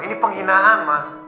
ini penghinaan ma